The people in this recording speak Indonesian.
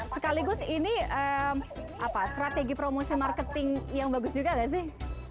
sekaligus ini strategi promosi marketing yang bagus juga gak sih